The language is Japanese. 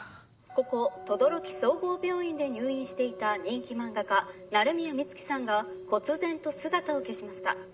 ここ轟総合病院で入院していた人気漫画家鳴宮美月さんが忽然と姿を消しました。